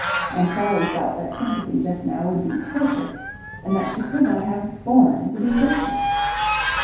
And Sally felt that sympathy just now would be torture, and that she could not have borne to be looked at.